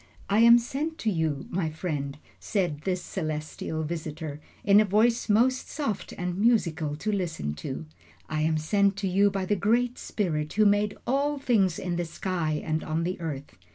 "I am sent to you, my friend," said this celestial visitor, in a voice most soft and musical to listen to, "I am sent to you by that Great Spirit who made all things in the sky and on the earth.